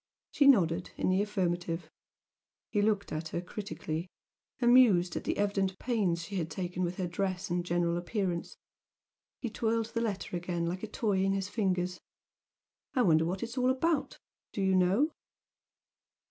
She nodded in the affirmative. He looked at her critically, amused at the evident pains she had taken with her dress and general appearance. He twirled the letter again like a toy in his fingers. "I wonder what it's all about? Do you know?"